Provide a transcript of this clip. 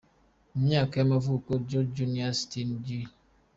Ku myaka y’amavuko, George Junius Stinney, Jr.